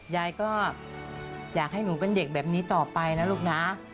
ยายก็อยากให้หนูเป็นเด็กแบบนี้ต่อไปนะลูกนะ